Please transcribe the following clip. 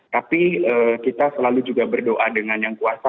tapi kita selalu juga berdoa dengan yang kuasa